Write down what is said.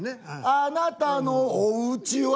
「あなたのお家は」